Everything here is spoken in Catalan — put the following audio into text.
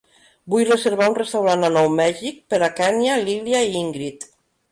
Vull reservar un restaurant a Nou Mèxic per a Kenya, Lilia i Ingrid.